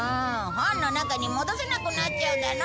本の中に戻せなくなっちゃうだろ！